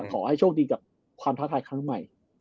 ขอให้โชคดีกับความท้าทายครั้งใหม่